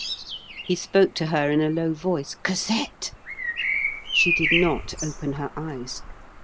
He spoke to her in a low voice:— "Cosette!" She did not open her eyes.